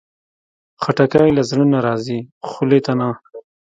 خټکی له زړه نه راځي، خولې ته نه.